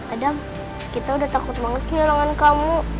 ada kita udah takut banget kehilangan kamu